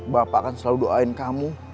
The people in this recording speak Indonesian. bapak kan selalu doain kamu